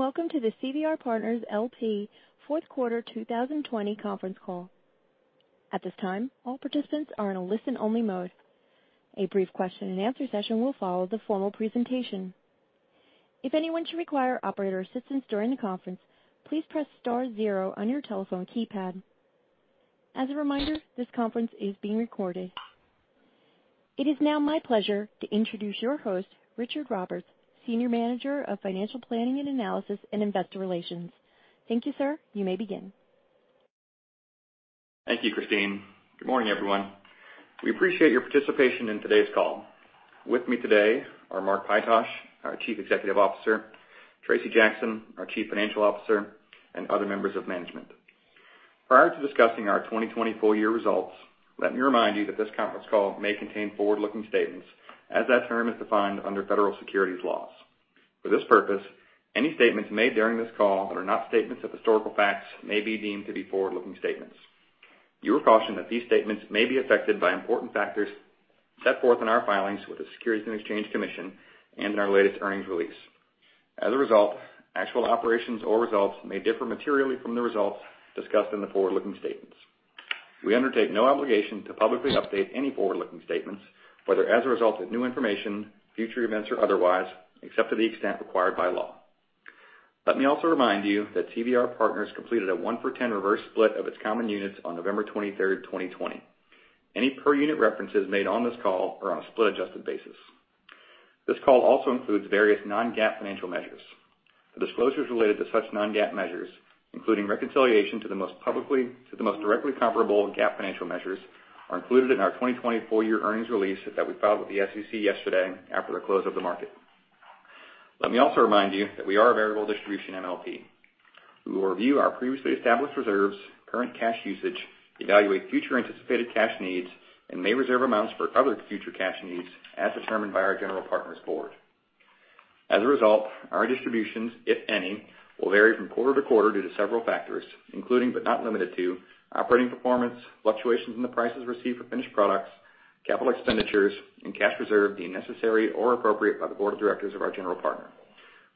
Welcome to the CVR Partners, LP fourth quarter 2020 conference call. At this time, all participants are in a listen-only mode. A brief question and answer session will follow the formal presentation. If anyone should require operator assistance during the conference, please press star zero on your telephone keypad. As a reminder, this conference is being recorded. It is now my pleasure to introduce your host, Richard Roberts, Senior Manager of Financial Planning and Analysis and Investor Relations. Thank you, sir. You may begin. Thank you, Christine. Good morning, everyone. We appreciate your participation in today's call. With me today are Mark Pytosh, our Chief Executive Officer, Tracy Jackson, our Chief Financial Officer, and other members of management. Prior to discussing our 2020 full-year results, let me remind you that this conference call may contain forward-looking statements as that term is defined under federal securities laws. For this purpose, any statements made during this call that are not statements of historical facts may be deemed to be forward-looking statements. You are cautioned that these statements may be affected by important factors set forth in our filings with the Securities and Exchange Commission and in our latest earnings release. As a result, actual operations or results may differ materially from the results discussed in the forward-looking statements. We undertake no obligation to publicly update any forward-looking statements, whether as a result of new information, future events, or otherwise, except to the extent required by law. Let me also remind you that CVR Partners completed a 1-for-10 reverse split of its common units on November 23rd, 2020. Any per unit references made on this call are on a split-adjusted basis. This call also includes various non-GAAP financial measures. The disclosures related to such non-GAAP measures, including reconciliation to the most directly comparable GAAP financial measures, are included in our 2020 full-year earnings release that we filed with the SEC yesterday after the close of the market. Let me also remind you that we are a variable distribution MLP. We will review our previously established reserves, current cash usage, evaluate future anticipated cash needs, and may reserve amounts for other future cash needs as determined by our general partner's board. As a result, our distributions, if any, will vary from quarter to quarter due to several factors, including but not limited to operating performance, fluctuations in the prices received for finished products, capital expenditures, and cash reserve deemed necessary or appropriate by the board of directors of our general partner.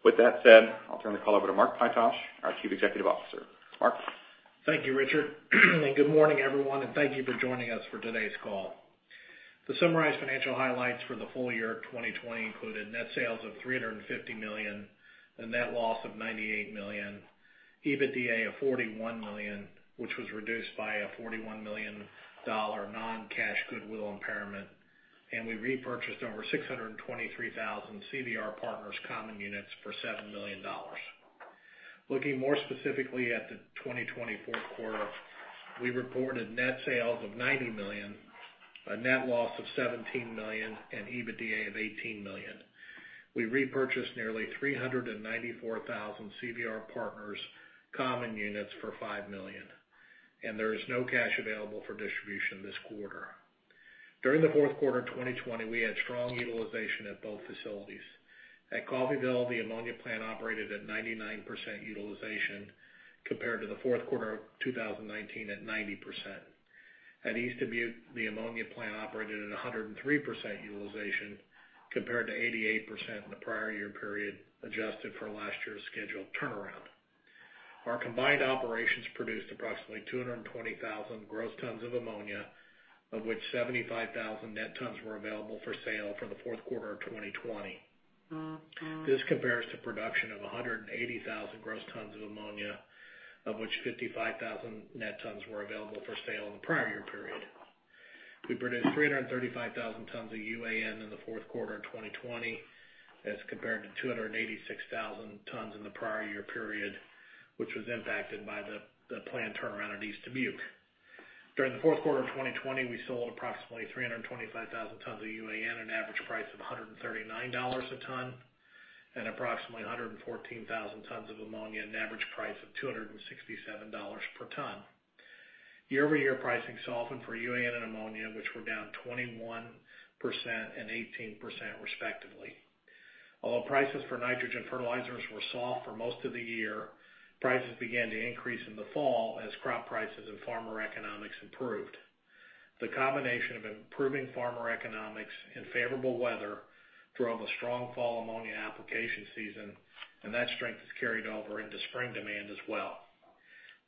With that said, I'll turn the call over to Mark Pytosh, our Chief Executive Officer. Mark? Thank you, Richard. Good morning, everyone, and thank you for joining us for today's call. To summarize financial highlights for the full year of 2020 included net sales of $350 million, a net loss of $98 million, EBITDA of $41 million, which was reduced by a $41 million non-cash goodwill impairment. We repurchased over 623,000 CVR Partners common units for $7 million. Looking more specifically at the 2020 fourth quarter, we reported net sales of $90 million, a net loss of $17 million, and EBITDA of $18 million. We repurchased nearly 394,000 CVR Partners common units for $5 million. There is no cash available for distribution this quarter. During the fourth quarter 2020, we had strong utilization at both facilities. At Coffeyville, the ammonia plant operated at 99% utilization compared to the fourth quarter of 2019 at 90%. At East Dubuque, the ammonia plant operated at 103% utilization compared to 88% in the prior year period, adjusted for last year's scheduled turnaround. Our combined operations produced approximately 220,000 gross tons of ammonia, of which 75,000 net tons were available for sale for the fourth quarter of 2020. This compares to production of 180,000 gross tons of ammonia, of which 55,000 net tons were available for sale in the prior year period. We produced 335,000 tons of UAN in the fourth quarter of 2020 as compared to 286,000 tons in the prior year period, which was impacted by the plant turnaround at East Dubuque. During the fourth quarter of 2020, we sold approximately 325,000 tons of UAN at an average price of $139 a ton and approximately 114,000 tons of ammonia at an average price of $267 per ton. Year-over-year pricing softened for UAN and ammonia, which were down 21% and 18% respectively. Although prices for nitrogen fertilizers were soft for most of the year, prices began to increase in the fall as crop prices and farmer economics improved. The combination of improving farmer economics and favorable weather drove a strong fall ammonia application season, and that strength has carried over into spring demand as well.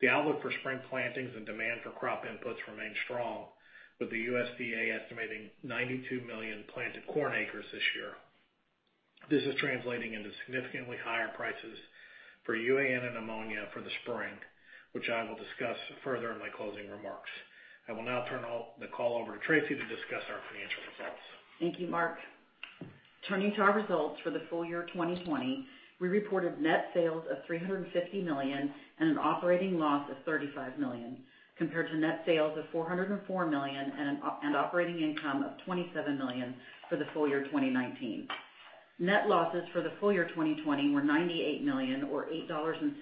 The outlook for spring plantings and demand for crop inputs remains strong, with the USDA estimating 92 million planted corn acres this year. This is translating into significantly higher prices for UAN and ammonia for the spring, which I will discuss further in my closing remarks. I will now turn the call over to Tracy to discuss our financial results. Thank you, Mark. Turning to our results for the full year 2020, we reported net sales of $350 million and an operating loss of $35 million, compared to net sales of $404 million and operating income of $27 million for the full year 2019. Net losses for the full year 2020 were $98 million, or $8.77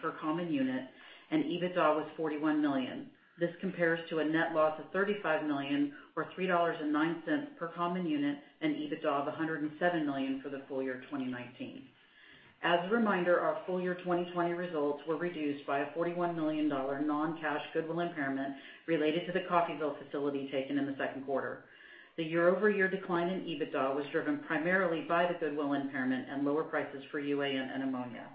per common unit, and EBITDA was $41 million. This compares to a net loss of $35 million or $3.09 per common unit and EBITDA of $107 million for the full year 2019. As a reminder, our full-year 2020 results were reduced by a $41 million non-cash goodwill impairment related to the Coffeyville facility taken in the second quarter. The year-over-year decline in EBITDA was driven primarily by the goodwill impairment and lower prices for UAN and ammonia.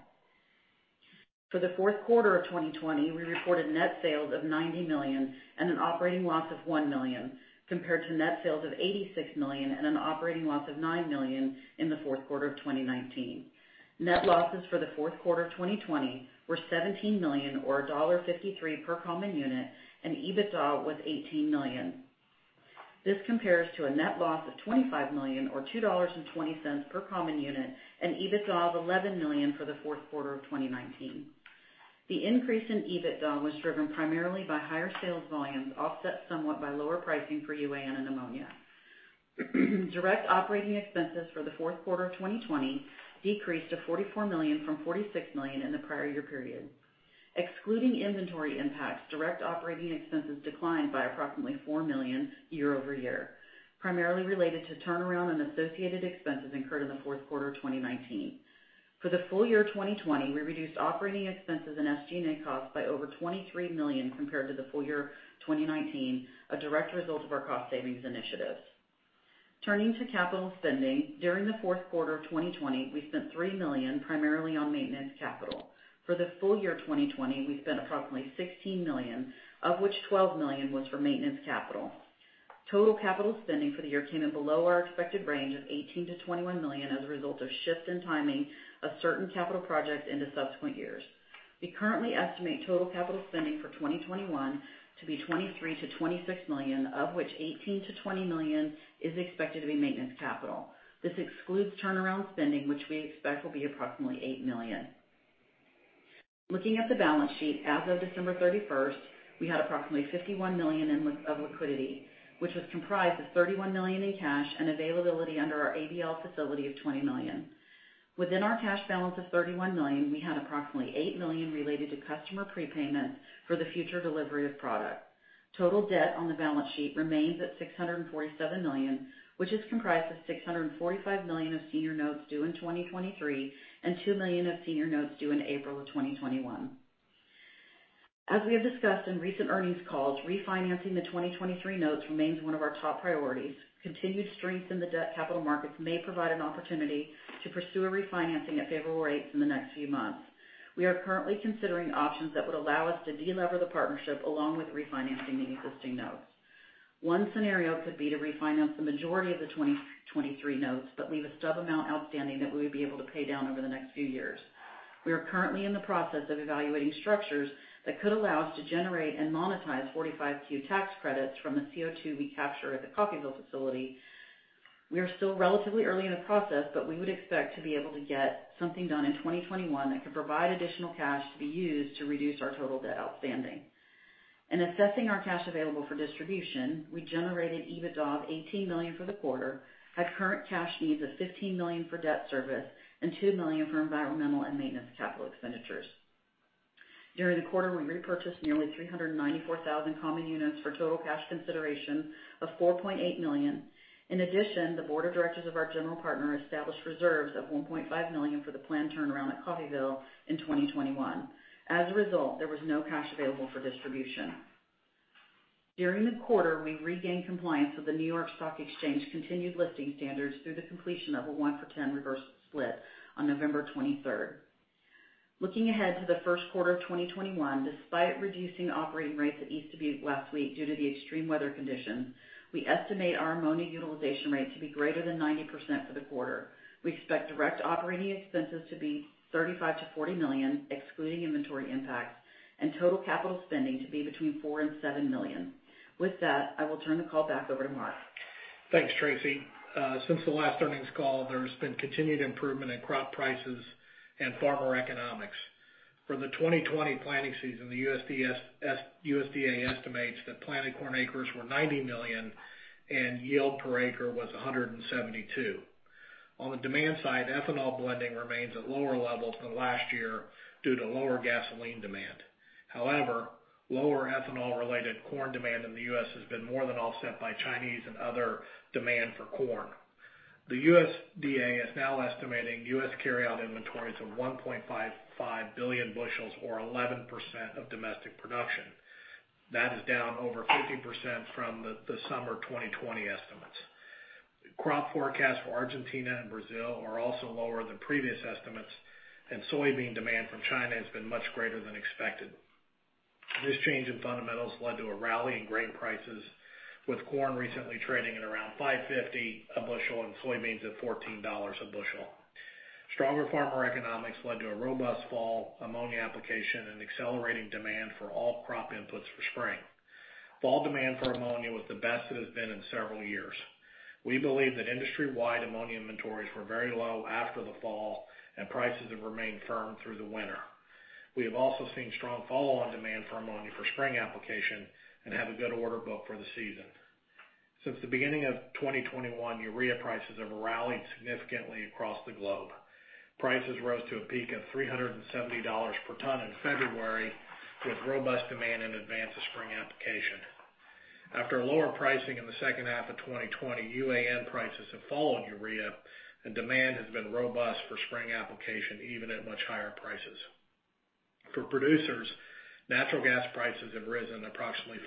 For the fourth quarter of 2020, we reported net sales of $90 million and an operating loss of $1 million compared to net sales of $86 million and an operating loss of $9 million in the fourth quarter of 2019. Net losses for the fourth quarter of 2020 were $17 million, or $1.53 per common unit, and EBITDA was $18 million. This compares to a net loss of $25 million, or $2.20 per common unit, and EBITDA of $11 million for the fourth quarter of 2019. The increase in EBITDA was driven primarily by higher sales volumes, offset somewhat by lower pricing for UAN and ammonia. Direct operating expenses for the fourth quarter of 2020 decreased to $44 million from $46 million in the prior year period. Excluding inventory impacts, direct operating expenses declined by approximately $4 million year-over-year, primarily related to turnaround and associated expenses incurred in the fourth quarter of 2019. For the full year 2020, we reduced operating expenses and SG&A costs by over $23 million compared to the full year 2019, a direct result of our cost savings initiatives. Turning to capital spending, during the fourth quarter of 2020, we spent $3 million primarily on maintenance capital. For the full year 2020, we spent approximately $16 million, of which $12 million was for maintenance capital. Total capital spending for the year came in below our expected range of $18 million-$21 million as a result of shifts in timing of certain capital projects into subsequent years. We currently estimate total capital spending for 2021 to be $23 million-$26 million, of which $18 million-$20 million is expected to be maintenance capital. This excludes turnaround spending, which we expect will be approximately $8 million. Looking at the balance sheet as of December 31st, we had approximately $51 million of liquidity, which was comprised of $31 million in cash and availability under our ABL facility of $20 million. Within our cash balance of $31 million, we had approximately $8 million related to customer prepayments for the future delivery of product. Total debt on the balance sheet remains at $647 million, which is comprised of $645 million of senior notes due in 2023 and $2 million of senior notes due in April of 2021. As we have discussed in recent earnings calls, refinancing the 2023 notes remains one of our top priorities. Continued strength in the debt capital markets may provide an opportunity to pursue a refinancing at favorable rates in the next few months. We are currently considering options that would allow us to de-lever the partnership along with refinancing the existing notes. One scenario could be to refinance the majority of the 2023 notes, but leave a stub amount outstanding that we would be able to pay down over the next few years. We are currently in the process of evaluating structures that could allow us to generate and monetize 45Q tax credits from the CO2 we capture at the Coffeyville facility. We are still relatively early in the process, but we would expect to be able to get something done in 2021 that could provide additional cash to be used to reduce our total debt outstanding. In assessing our cash available for distribution, we generated EBITDA of $18 million for the quarter, had current cash needs of $15 million for debt service and $2 million for environmental and maintenance capital expenditures. During the quarter, we repurchased nearly 394,000 common units for total cash consideration of $4.8 million. In addition, the board of directors of our general partner established reserves of $1.5 million for the planned turnaround at Coffeyville in 2021. As a result, there was no cash available for distribution. During the quarter, we regained compliance with the New York Stock Exchange continued listing standards through the completion of a 1-for-10 reverse split on November 23rd. Looking ahead to the first quarter of 2021, despite reducing operating rates at East Dubuque last week due to the extreme weather conditions, we estimate our ammonia utilization rate to be greater than 90% for the quarter. We expect direct operating expenses to be $35 million-$40 million, excluding inventory impacts, and total capital spending to be between $4 million and $7 million. With that, I will turn the call back over to Mark. Thanks, Tracy. Since the last earnings call, there has been continued improvement in crop prices and farmer economics. For the 2020 planting season, the USDA estimates that planted corn acres were 90 million and yield per acre was 172. On the demand side, ethanol blending remains at lower levels than last year due to lower gasoline demand. However, lower ethanol-related corn demand in the U.S. has been more than offset by Chinese and other demand for corn. The USDA is now estimating U.S. carryout inventories of 1.55 billion bushels, or 11% of domestic production. That is down over 50% from the summer 2020 estimates. Crop forecasts for Argentina and Brazil are also lower than previous estimates, and soybean demand from China has been much greater than expected. This change in fundamentals led to a rally in grain prices, with corn recently trading at around $5.50 a bushel and soybeans at $14 a bushel. Stronger farmer economics led to a robust fall ammonia application and accelerating demand for all crop inputs for spring. Fall demand for ammonia was the best it has been in several years. We believe that industry-wide ammonia inventories were very low after the fall, and prices have remained firm through the winter. We have also seen strong follow-on demand for ammonia for spring application and have a good order book for the season. Since the beginning of 2021, urea prices have rallied significantly across the globe. Prices rose to a peak of $370 per ton in February, with robust demand in advance of spring application. After lower pricing in the second half of 2020, UAN prices have followed urea, and demand has been robust for spring application, even at much higher prices. For producers, natural gas prices have risen approximately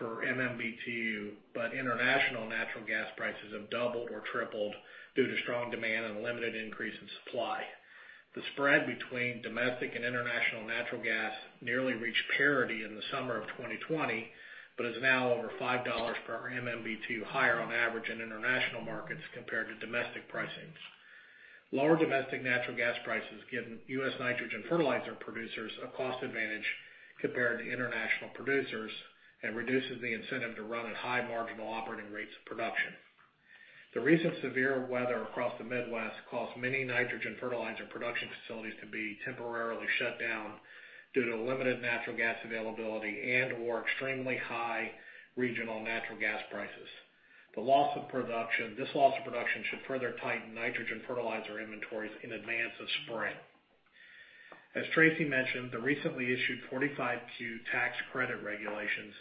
$0.50/MMBtu, but international natural gas prices have doubled or tripled due to strong demand and limited increase in supply. The spread between domestic and international natural gas nearly reached parity in the summer of 2020, but is now over $5/MMBtu higher on average in international markets compared to domestic prices. Lower domestic natural gas prices give U.S. nitrogen fertilizer producers a cost advantage compared to international producers and reduces the incentive to run at high marginal operating rates of production. The recent severe weather across the Midwest caused many nitrogen fertilizer production facilities to be temporarily shut down due to limited natural gas availability and/or extremely high regional natural gas prices. This loss of production should further tighten nitrogen fertilizer inventories in advance of spring. As Tracy mentioned, the recently issued 45Q tax credit regulations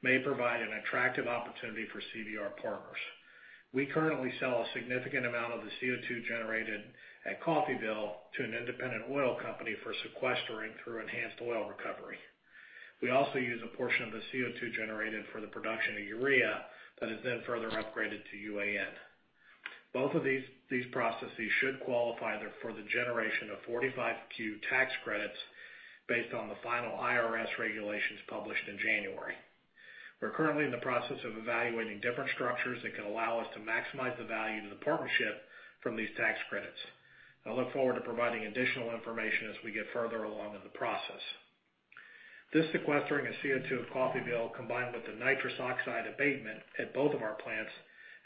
may provide an attractive opportunity for CVR Partners. We currently sell a significant amount of the CO2 generated at Coffeyville to an independent oil company for sequestering through enhanced oil recovery. We also use a portion of the CO2 generated for the production of urea that is then further upgraded to UAN. Both of these processes should qualify for the generation of 45Q tax credits based on the final IRS regulations published in January. We're currently in the process of evaluating different structures that can allow us to maximize the value to the partnership from these tax credits. I look forward to providing additional information as we get further along in the process. This sequestering of CO2 at Coffeyville, combined with the nitrous oxide abatement at both of our plants,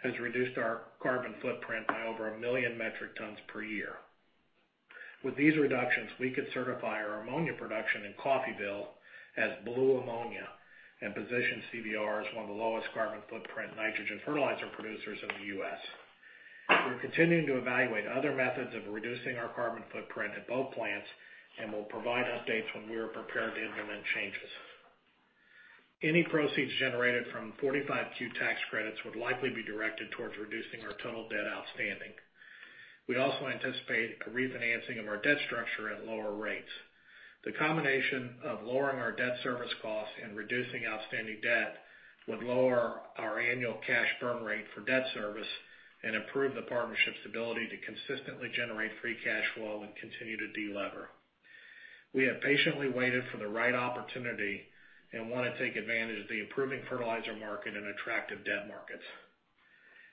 has reduced our carbon footprint by over a million metric tons per year. With these reductions, we could certify our ammonia production in Coffeyville as blue ammonia and position CVR as one of the lowest carbon footprint nitrogen fertilizer producers in the U.S. We're continuing to evaluate other methods of reducing our carbon footprint at both plants, and we'll provide updates when we are prepared to implement changes. Any proceeds generated from 45Q tax credits would likely be directed towards reducing our total debt outstanding. We also anticipate a refinancing of our debt structure at lower rates. The combination of lowering our debt service costs and reducing outstanding debt would lower our annual cash burn rate for debt service and improve the partnership's ability to consistently generate free cash flow and continue to de-lever. We have patiently waited for the right opportunity and want to take advantage of the improving fertilizer market and attractive debt markets.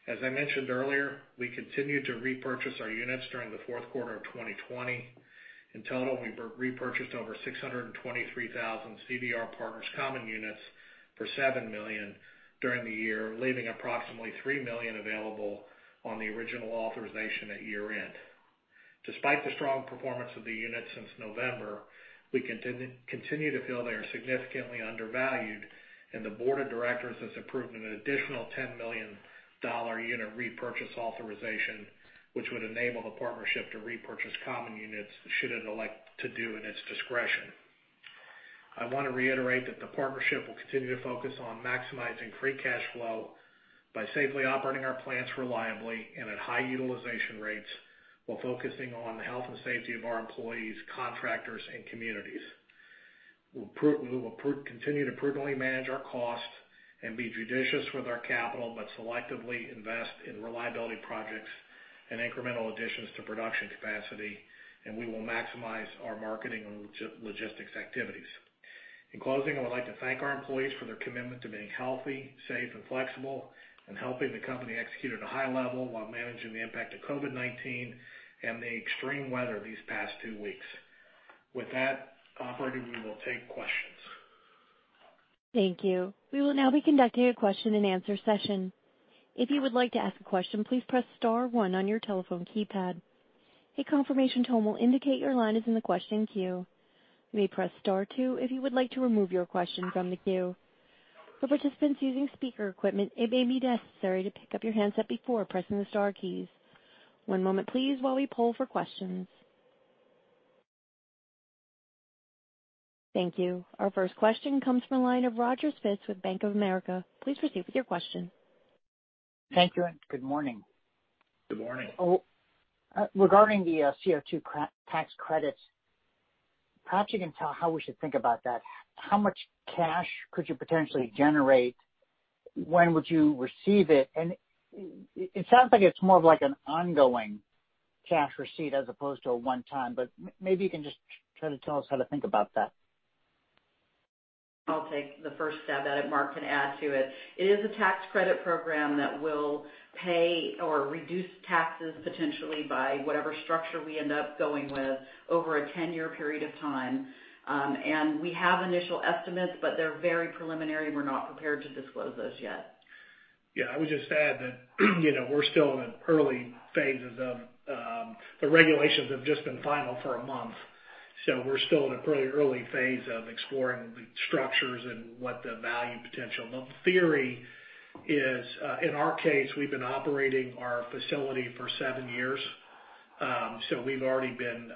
As I mentioned earlier, we continued to repurchase our units during the fourth quarter of 2020. In total, we repurchased over 623,000 CVR Partners common units for $7 million during the year, leaving approximately $3 million available on the original authorization at year-end. Despite the strong performance of the unit since November, we continue to feel they are significantly undervalued, and the board of directors has approved an additional $10 million unit repurchase authorization, which would enable the partnership to repurchase common units should it elect to do in its discretion. I want to reiterate that the partnership will continue to focus on maximizing free cash flow by safely operating our plants reliably and at high utilization rates, while focusing on the health and safety of our employees, contractors, and communities. We will continue to prudently manage our costs and be judicious with our capital, but selectively invest in reliability projects and incremental additions to production capacity, and we will maximize our marketing and logistics activities. In closing, I would like to thank our employees for their commitment to being healthy, safe, and flexible, and helping the company execute at a high level while managing the impact of COVID-19 and the extreme weather these past two weeks. With that, operator, we will take questions. Thank you. We will now be conducting a question and answer session. If you would like to ask a question, please press star one on your telephone keypad. A confirmation tone will indicate your line is in the question queue. You may press star two if you would like to remove your question from the queue. For participants using speaker equipment, it may be necessary to pick up your handset before pressing the star keys. One moment, please, while we poll for questions. Thank you. Our first question comes from the line of Roger Spitz with Bank of America. Please proceed with your question. Thank you, and good morning. Good morning. Regarding the CO2 tax credits, perhaps you can tell how we should think about that. How much cash could you potentially generate? When would you receive it? It sounds like it's more of an ongoing cash receipt as opposed to a one-time, but maybe you can just try to tell us how to think about that. I'll take the first stab at it. Mark can add to it. It is a tax credit program that will pay or reduce taxes potentially by whatever structure we end up going with over a 10-year period of time. We have initial estimates, but they're very preliminary, and we're not prepared to disclose those yet. Yeah. I would just add that we're still in early phases. The regulations have just been final for a month. We're still in a pretty early phase of exploring the structures and what the value potential. The theory is, in our case, we've been operating our facility for seven years. We've already been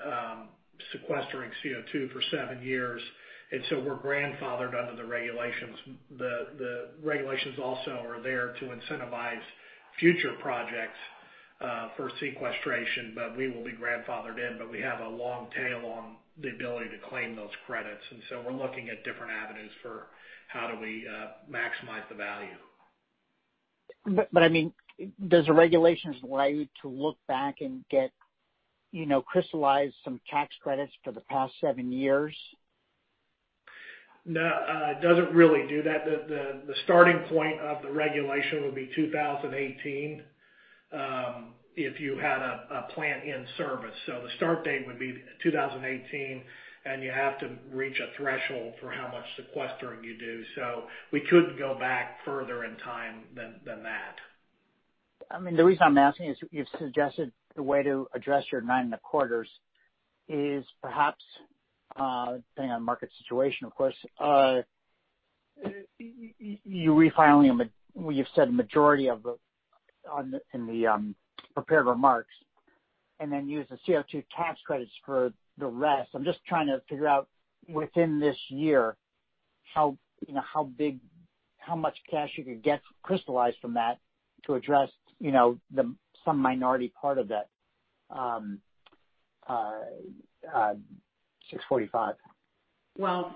sequestering CO2 for seven years. We're grandfathered under the regulations. The regulations also are there to incentivize future projects for sequestration, but we will be grandfathered in. We have a long tail on the ability to claim those credits. We're looking at different avenues for how do we maximize the value. Does the regulations allow you to look back and crystallize some tax credits for the past seven years? No, it doesn't really do that. The starting point of the regulation would be 2018, if you had a plant in service. The start date would be 2018, and you have to reach a threshold for how much sequestering you do. We couldn't go back further in time than that. The reason I'm asking is you've suggested the way to address your nine and a quarter is perhaps, depending on market situation, of course, you refiling, well, you've said in the prepared remarks and then use the CO2 tax credits for the rest. I'm just trying to figure out within this year how much cash you could get crystallized from that to address some minority part of that, $645. Well,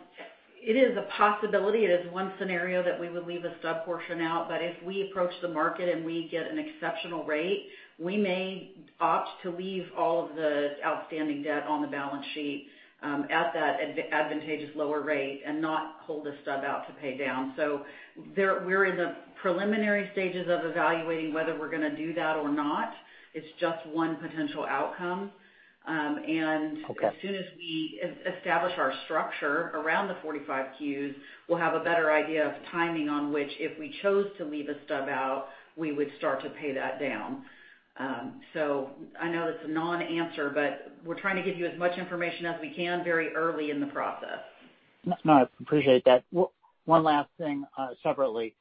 it is a possibility. It is one scenario that we would leave a stub portion out. If we approach the market and we get an exceptional rate, we may opt to leave all of the outstanding debt on the balance sheet, at that advantageous lower rate and not pull the stub out to pay down. We're in the preliminary stages of evaluating whether we're going to do that or not. It's just one potential outcome. Okay. As soon as we establish our structure around the 45Qs, we'll have a better idea of timing on which, if we chose to leave a stub out, we would start to pay that down. I know that's a non-answer, but we're trying to give you as much information as we can very early in the process. No, I appreciate that. One last thing, separately.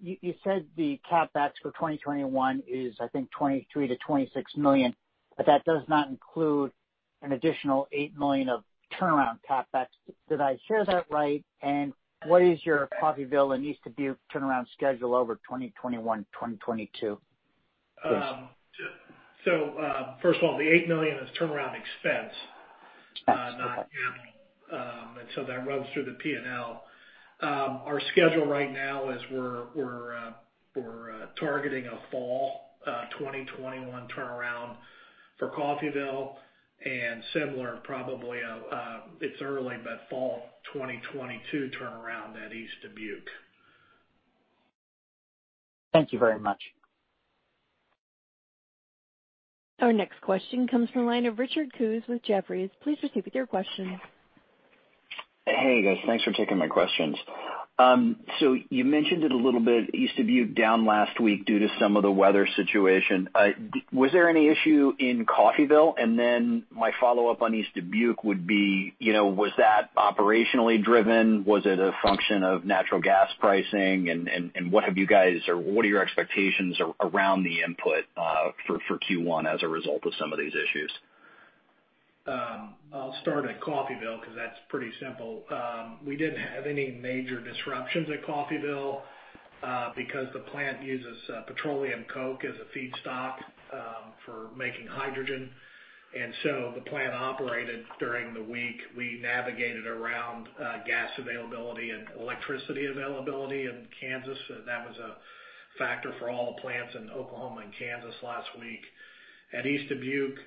You said the CapEx for 2021 is, I think, $23 million-$26 million, but that does not include an additional $8 million of turnaround CapEx. Did I hear that right? What is your Coffeyville and East Dubuque turnaround schedule over 2021, 2022? First of all, the $8 million is turnaround expense. Oh, okay. Not capital. That runs through the P&L. Our schedule right now is we're targeting a fall 2021 turnaround for Coffeyville and similar, probably, it's early, but fall 2022 turnaround at East Dubuque. Thank you very much. Our next question comes from the line of Richard Kus with Jefferies. Please proceed with your question. Hey, guys. Thanks for taking my questions. You mentioned it a little bit, East Dubuque down last week due to some of the weather situation. Was there any issue in Coffeyville? Then my follow-up on East Dubuque would be, was that operationally driven? Was it a function of natural gas pricing? What have you guys, or what are your expectations around the input, for Q1 as a result of some of these issues? I'll start at Coffeyville because that's pretty simple. We didn't have any major disruptions at Coffeyville, because the plant uses petroleum coke as a feedstock for making hydrogen. The plant operated during the week. We navigated around gas availability and electricity availability in Kansas. That was a factor for all the plants in Oklahoma and Kansas last week. At East Dubuque,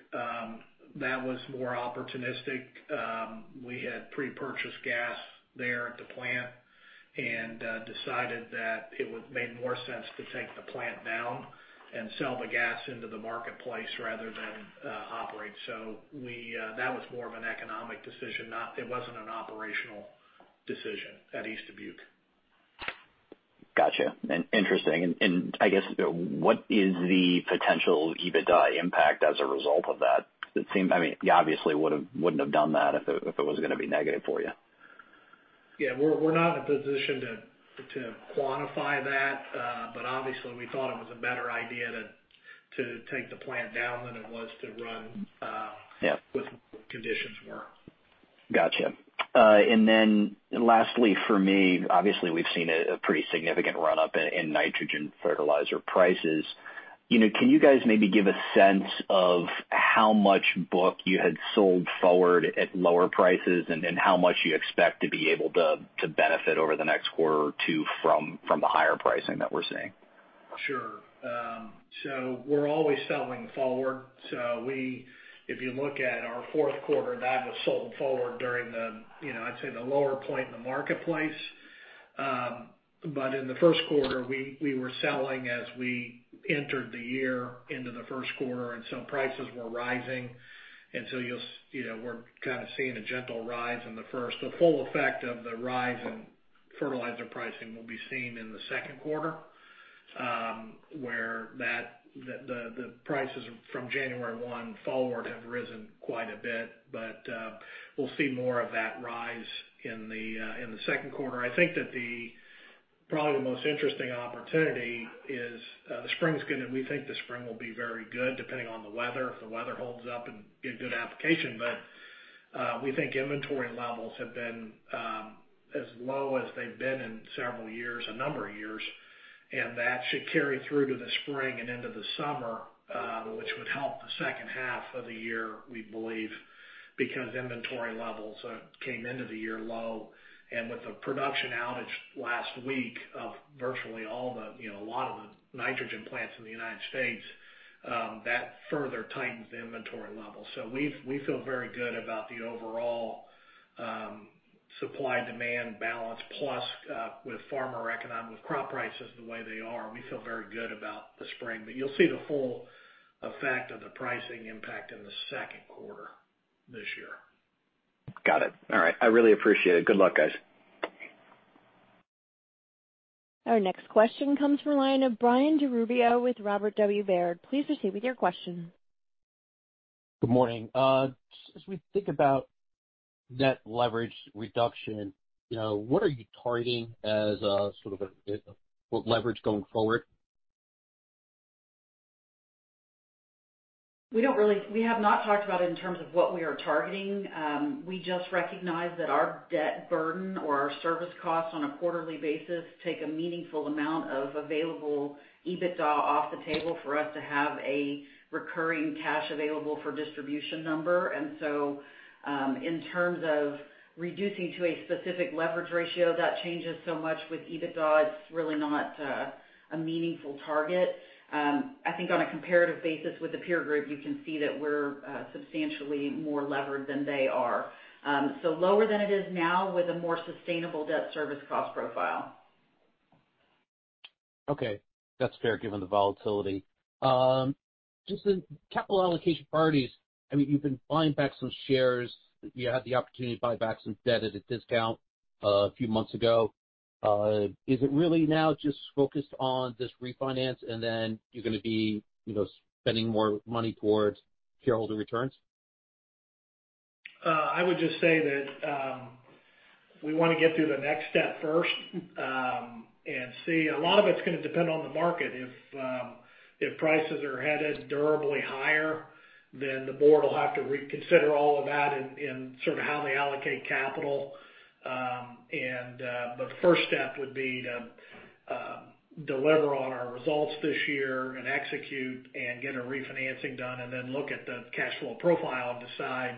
that was more opportunistic. We had pre-purchased gas there at the plant and decided that it would make more sense to take the plant down and sell the gas into the marketplace rather than operate. That was more of an economic decision, it wasn't an operational decision at East Dubuque. Got you. Interesting. I guess, what is the potential EBITDA impact as a result of that? You obviously wouldn't have done that if it was going to be negative for you. Yeah. We're not in a position to quantify that. Obviously, we thought it was a better idea to take the plant down than it was to run. Yeah. With the way conditions were. Got you. Lastly for me, obviously, we've seen a pretty significant run-up in nitrogen fertilizer prices. Can you guys maybe give a sense of how much book you had sold forward at lower prices and how much you expect to be able to benefit over the next quarter or two from the higher pricing that we're seeing? Sure. We're always selling forward. If you look at our fourth quarter, that was sold forward during the, I'd say the lower point in the marketplace. In the first quarter, we were selling as we entered the year into the first quarter, prices were rising. We're kind of seeing a gentle rise in the first quarter. The full effect of the rise in fertilizer pricing will be seen in the second quarter, where the prices from January 1 forward have risen quite a bit. We'll see more of that rise in the second quarter. I think that probably the most interesting opportunity is we think the spring will be very good, depending on the weather. If the weather holds up and we get good application. We think inventory levels have been as low as they've been in several years, a number of years. That should carry through to the spring and into the summer, which would help the second half of the year, we believe, because inventory levels came into the year low. With the production outage last week of virtually a lot of the nitrogen plants in the United States, that further tightens the inventory level. We feel very good about the overall supply-demand balance. Plus, with farmer economic, with crop prices the way they are, we feel very good about the spring. You'll see the full effect of the pricing impact in the second quarter this year. Got it. All right. I really appreciate it. Good luck, guys. Our next question comes from the line of Brian DiRubbio with Robert W. Baird. Please proceed with your question. Good morning. As we think about net leverage reduction, what are you targeting as a sort of leverage going forward? We have not talked about it in terms of what we are targeting. We just recognize that our debt burden or our service costs on a quarterly basis take a meaningful amount of available EBITDA off the table for us to have a recurring cash available for distribution number. In terms of reducing to a specific leverage ratio, that changes so much with EBITDA, it's really not a meaningful target. I think on a comparative basis with the peer group, you can see that we're substantially more levered than they are. Lower than it is now with a more sustainable debt service cost profile. Okay. That's fair given the volatility. Just in capital allocation priorities, you've been buying back some shares. You had the opportunity to buy back some debt at a discount a few months ago. Is it really now just focused on this refinance, and then you're gonna be spending more money towards shareholder returns? I would just say that we want to get through the next step first and see. A lot of it's gonna depend on the market. If prices are headed durably higher, then the board will have to reconsider all of that in sort of how they allocate capital. First step would be to deliver on our results this year and execute and get a refinancing done and then look at the cash flow profile and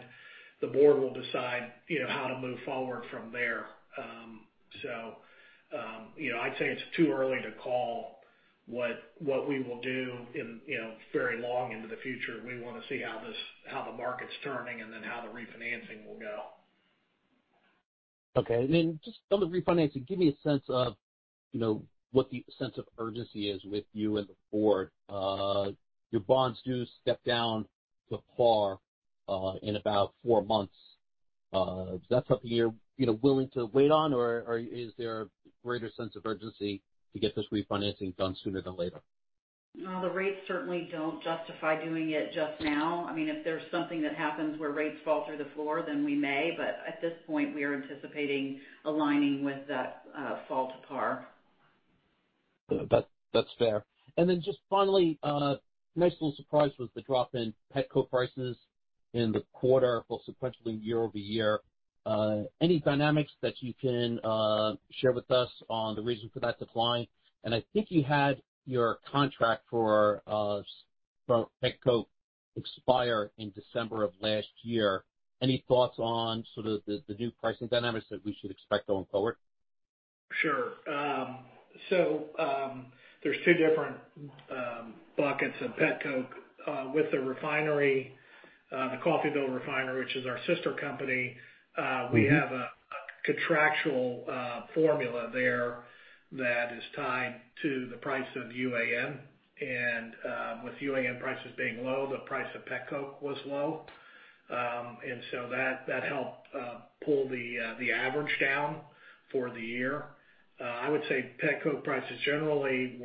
the board will decide how to move forward from there. I'd say it's too early to call what we will do very long into the future. We want to see how the market's turning and then how the refinancing will go. Okay. Just on the refinancing, give me a sense of what the sense of urgency is with you and the board. Your bonds do step down to par in about four months. Is that something you're willing to wait on, or is there a greater sense of urgency to get this refinancing done sooner than later? The rates certainly don't justify doing it just now. If there's something that happens where rates fall through the floor, then we may, but at this point, we are anticipating aligning with that fall to par. That's fair. Then just finally, nice little surprise was the drop in pet coke prices in the quarter, well, sequentially year-over-year. Any dynamics that you can share with us on the reason for that decline? I think you had your contract for pet coke expire in December of last year. Any thoughts on sort of the new pricing dynamics that we should expect going forward? Sure. There's two different buckets of pet coke. With the refinery, the Coffeyville refiner, which is our sister company, we have a contractual formula there that is tied to the price of UAN. With UAN prices being low, the price of pet coke was low. That helped pull the average down for the year. I would say pet coke prices generally,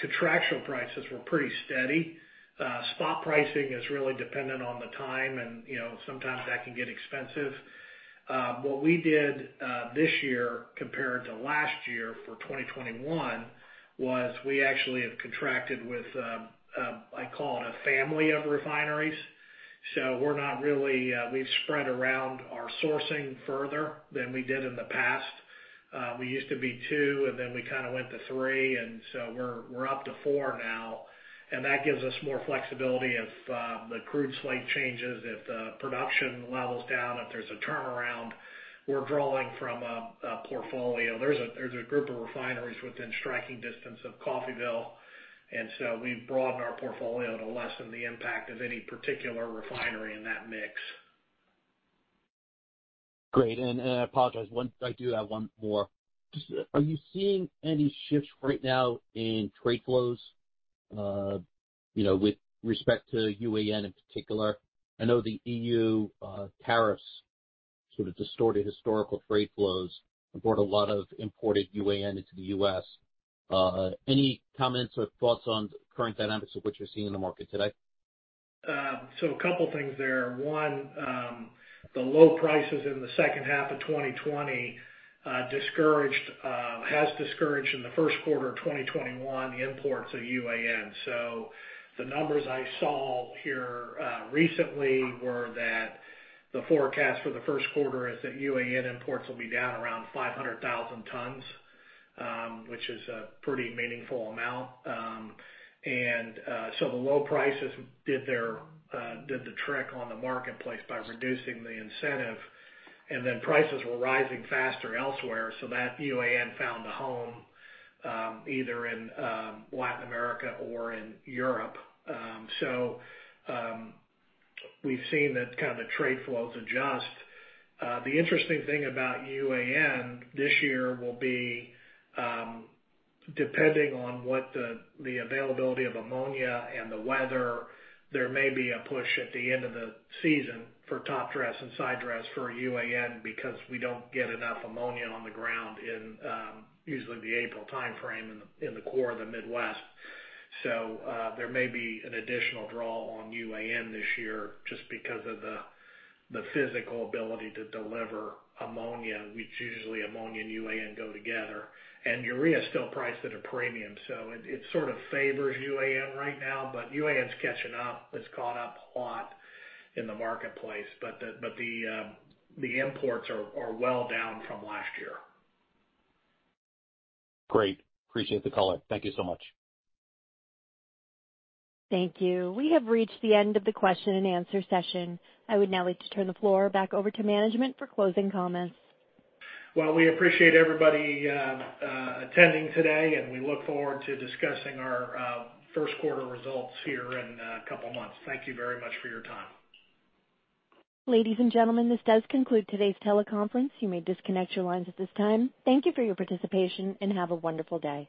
contractual prices were pretty steady. Spot pricing is really dependent on the time and sometimes that can get expensive. What we did this year compared to last year for 2021, was we actually have contracted with, I call it a family of refineries. We've spread around our sourcing further than we did in the past. We used to be two, and then we kind of went to three, and so we're up to four now. That gives us more flexibility if the crude slate changes, if the production levels down, if there's a turnaround, we're drawing from a portfolio. There's a group of refineries within striking distance of Coffeyville. So we've broadened our portfolio to lessen the impact of any particular refinery in that mix. Great. I apologize. I do have one more. Just are you seeing any shifts right now in trade flows with respect to UAN in particular? I know the EU tariffs sort of distorted historical trade flows and brought a lot of imported UAN into the U.S. Any comments or thoughts on current dynamics of what you're seeing in the market today? A couple things there. One, the low prices in the second half of 2020 has discouraged in the first quarter of 2021 the imports of UAN. The numbers I saw here recently were that the forecast for the first quarter is that UAN imports will be down around 500,000 tons, which is a pretty meaningful amount. The low prices did the trick on the marketplace by reducing the incentive, and then prices were rising faster elsewhere, so that UAN found a home either in Latin America or in Europe. We've seen that the trade flows adjust. The interesting thing about UAN this year will be, depending on what the availability of ammonia and the weather, there may be a push at the end of the season for top dress and side dress for UAN because we don't get enough ammonia on the ground in usually the April timeframe in the core of the Midwest. There may be an additional draw on UAN this year just because of the physical ability to deliver ammonia, which usually ammonia and UAN go together. Urea is still priced at a premium, so it sort of favors UAN right now, but UAN's catching up. It's caught up a lot in the marketplace. The imports are well down from last year. Great. Appreciate the color. Thank you so much. Thank you. We have reached the end of the question and answer session. I would now like to turn the floor back over to management for closing comments. Well, we appreciate everybody attending today, and we look forward to discussing our first quarter results here in a couple of months. Thank you very much for your time. Ladies and gentlemen, this does conclude today's teleconference. You may disconnect your lines at this time. Thank you for your participation, and have a wonderful day.